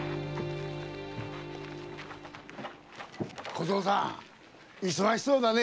小僧さん忙しそうだね。